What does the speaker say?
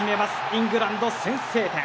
イングランド、先制点！